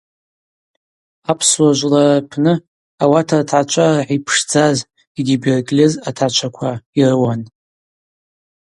Апсуа жвлара рпны ауат ртгӏачва рахӏа йпшдзаз йгьи йбергьльыз атгӏачваква йрыуан.